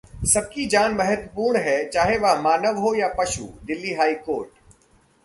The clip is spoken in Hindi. सबकी जान महत्वपूर्ण है चाहे वह मानव हो या पशु: दिल्ली हाई कोर्ट